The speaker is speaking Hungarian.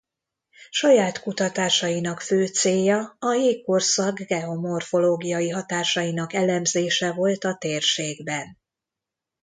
Saját kutatásainak fő célja a jégkorszak geomorfológiai hatásainak elemzése volt a térségben.